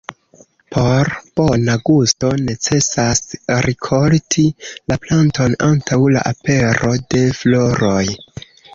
Por bona gusto necesas rikolti la planton antaŭ la apero de floroj.